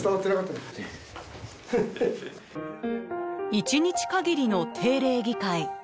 １日限りの定例議会。